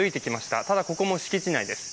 ただ、ここも敷地内です。